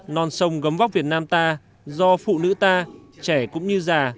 non sông gấm vóc việt nam ta do phụ nữ ta trẻ cũng như già